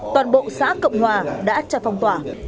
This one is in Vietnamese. toàn bộ xã cộng hòa đã cho phong tỏa